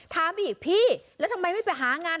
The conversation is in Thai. ถามอีกพี่แล้วทำไมไม่ไปหางาน